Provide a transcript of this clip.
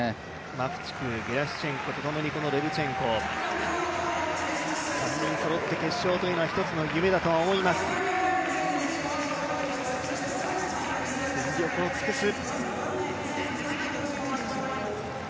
マフチク、ゲラシュチェンコと共にレブチェンコ、３人そろって決勝というのは決勝というのは１つの夢だと思います。